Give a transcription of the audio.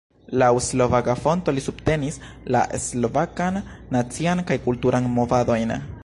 Laŭ slovaka fonto li subtenis la slovakan nacian kaj kulturan movadojn.